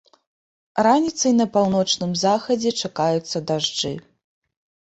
Раніцай на паўночным захадзе чакаюцца дажджы.